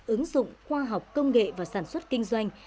ứng dụng khoa học công nghệ và sản xuất kinh doanh